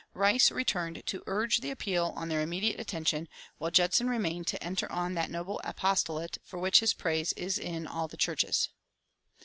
Rice returned to urge the appeal on their immediate attention, while Judson remained to enter on that noble apostolate for which his praise is in all the churches.